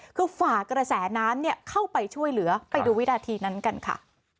คือฝ่ากระแสน้ำเข้าไปช่วยเหลือไปดูวินาทีนั้นกันค่ะ